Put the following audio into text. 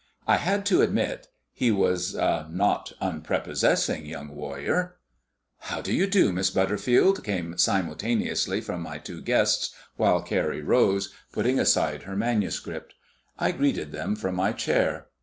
I had to admit he was a not unprepossessing young warrior. "How do you do, Miss Butterfield?" came simultaneously from my two guests, while Carrie rose, putting aside her manuscript. I greeted them from my chair.